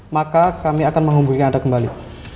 maka kami akan menghubungi anda kembali